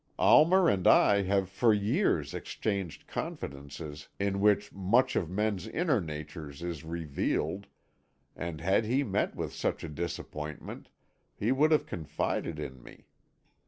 Almer and I have for years exchanged confidences in which much of men's inner natures is revealed, and had he met with such a disappointment, he would have confided in me.